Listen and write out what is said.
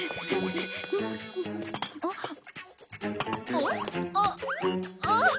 あっあっあっ！